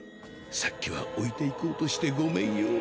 先刻は置いて行こうとしてごめんよう。